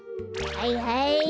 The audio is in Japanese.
はいはい！